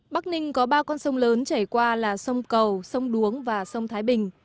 bắc ninh có ba con sông lớn chảy qua là sông cầu sông đuống và sông thái bình